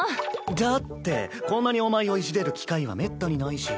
だってこんなにお前をいじれる機会はめったにないし。